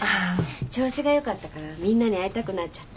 調子がよかったからみんなに会いたくなっちゃって。